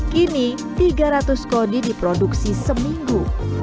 kini tiga ratus kodi diproduksi seminggu